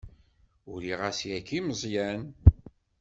Uriɣ-as yagi i Meẓyan.